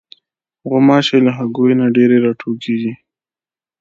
غوماشې له هګیو نه ډېرې راټوکېږي.